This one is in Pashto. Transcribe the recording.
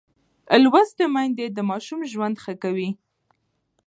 لوستې میندې د ماشوم ژوند ښه کوي.